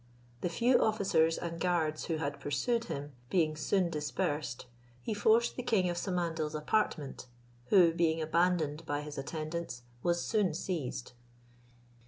The few officers and guards who had pursued him, being soon dispersed, he forced the king of Samandal's apartment, who, being abandoned by his attendants, was soon seized.